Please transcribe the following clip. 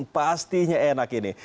pastinya enak ini